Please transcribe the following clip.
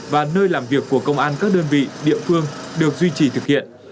và nơi làm việc của công an các đơn vị địa phương được duy trì thực hiện